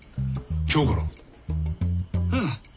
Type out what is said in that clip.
うん。